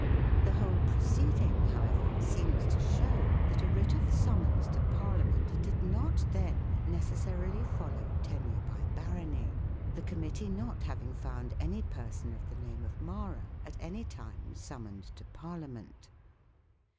The whole Proceeding, how ever, seems to shew that a Writ of Summons to Parliament did not then necessarily follow Tenure by Barony ; the Committee not having found any Person of the Name of Mara, at any Time summoned to Parliament.